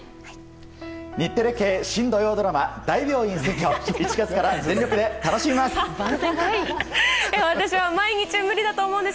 日テレ系新土曜ドラマ１月から全力で楽しみます。